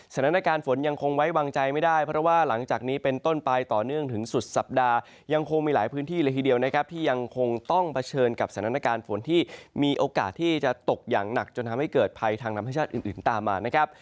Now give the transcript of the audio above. สถานการณ์ฝนยังคงไว้วางใจไม่ได้เพราะว่าหลังจากนี้เป็นต้นไปต่อเนื่องถึงสุดสัปดาห์ยังคงมีหลายพื้นที่เลยทีเดียวนะครับที่ยังคงต้องเผชิญกับสถานการณ์ฝนที่มีโอกาสที่จะตกอย่างหนักจนทำให้เกิดภัยทางธรรมชาติอื่นตามมานะครับ